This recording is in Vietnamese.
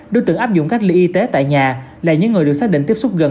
đối tượng áp dụng cách ly y tế tại nhà là những người được xác định tiếp xúc gần